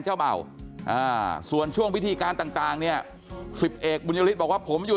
เจ้าเบ่าส่วนช่วงพิธีการต่างเนี่ยสิบเอกบุญยฤทธิบอกว่าผมอยู่